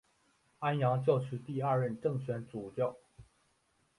安阳教区第二任正权主教。